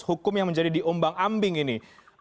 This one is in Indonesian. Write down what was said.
hukum yang menjadi diumbang ambing ini